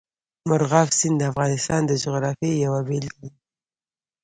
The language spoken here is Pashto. مورغاب سیند د افغانستان د جغرافیې یوه بېلګه ده.